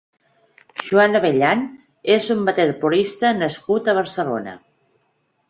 Juan Abellán és un waterpolista nascut a Barcelona.